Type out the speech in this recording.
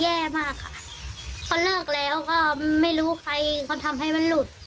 แย่มากค่ะเขาเลิกแล้วก็ไม่รู้ใครเขาทำให้มันหลุด